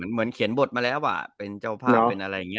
เห็นบทมาแล้วหว่าเป็นเจ้าภาพเป็นอะไรอย่างนี้